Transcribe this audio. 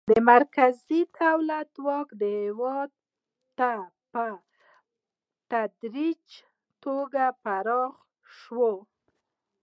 د مرکزي دولت واک هیواد ته په تدریجي توګه پراخه شو.